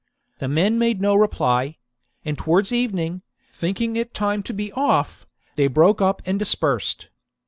The men made no reply ; and towards evening, thinking it time to be off, they broke up and dispersed.